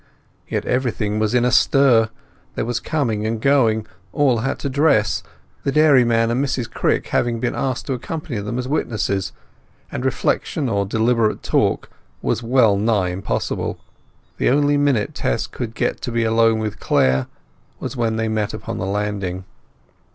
Yet everything was in a stir; there was coming and going; all had to dress, the dairyman and Mrs Crick having been asked to accompany them as witnesses; and reflection or deliberate talk was well nigh impossible. The only minute Tess could get to be alone with Clare was when they met upon the landing.